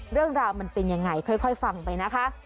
เรื่องราวมันเป็นยังไงค่อยฟังไปนะคะ